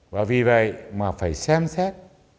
và vì vậy mà phải xem xét